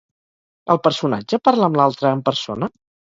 El personatge parla amb l'altre en persona?